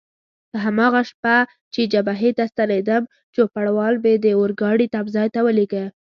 په هماغه شپه چې جبهې ته ستنېدم، چوپړوال مې د اورګاډي تمځای ته ولېږه.